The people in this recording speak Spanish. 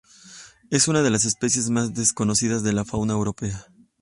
Es una de las especies más desconocidas de la fauna europea.